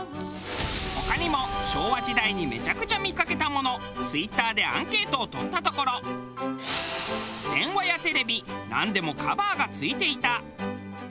他にも昭和時代にめちゃくちゃ見かけたものＴｗｉｔｔｅｒでアンケートをとったところ「電話やテレビなんでもカバーがついていた」